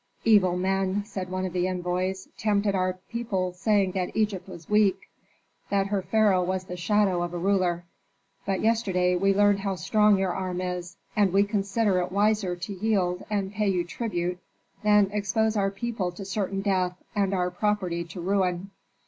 "Evil men," said one of the envoys, "tempted our people saying that Egypt was weak; that her pharaoh was the shadow of a ruler. But yesterday we learned how strong your arm is, and we consider it wiser to yield and pay you tribute than expose our people to certain death and our property to ruin."